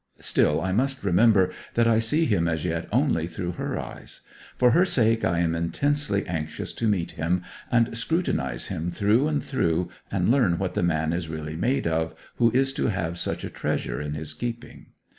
Still, I must remember that I see him as yet only through her eyes. For her sake I am intensely anxious to meet him, and scrutinise him through and through, and learn what the man is really made of who is to have such a treasure in his keeping.